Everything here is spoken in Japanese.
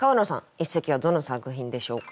一席はどの作品でしょうか。